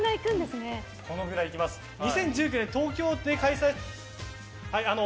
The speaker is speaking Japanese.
２０１９年、東京で。